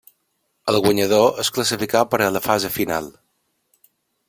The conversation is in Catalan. El guanyador es classificà per a la fase final.